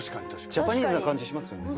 ジャパニーズな感じしますよね。